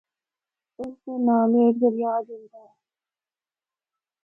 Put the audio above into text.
اس دے نالو ہک دریا جُلدا اے۔